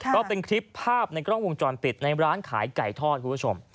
ก็เป็นคลิปภาพในกล้องวงจรปิดในร้านขายไก่ทอดคุณผู้ชม